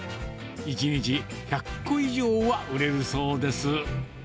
１日１００個以上は売れるそうです。